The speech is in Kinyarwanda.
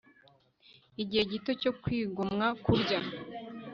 igihe gito cyo kwigomwa kurya